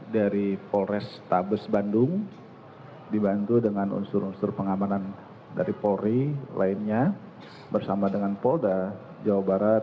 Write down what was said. dari polres tabes bandung dibantu dengan unsur unsur pengamanan dari polri lainnya bersama dengan polda jawa barat